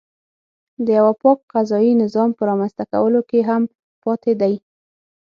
د یوه پاک قضایي نظام په رامنځته کولو کې هم پاتې دی.